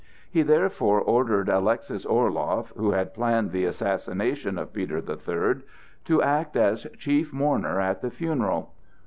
He therefore ordered Alexis Orloff, who had planned the assassination of Peter the Third, to act as chief mourner at the funeral.